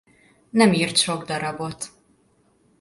Nem írt sok darabot.